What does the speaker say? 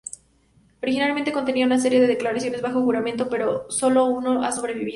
Originalmente contenía una serie de declaraciones bajo juramento, pero sólo uno ha sobrevivido.